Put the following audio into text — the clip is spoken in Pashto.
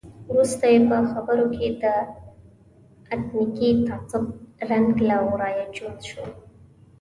وروسته یې په خبرو کې د اتنیکي تعصب رنګ له ورایه جوت شو.